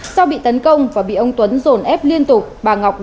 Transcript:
sau bị tấn công và bị ông tuấn rồn ép liên tục